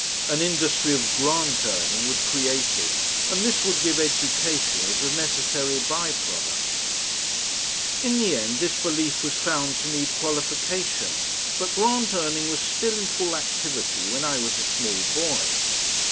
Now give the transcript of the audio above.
An industry of "Grant earning" was created, and this would give education as a necessary by product. In the end this belief was found to need qualification, but Grant earning was still in full activity when I was a small boy.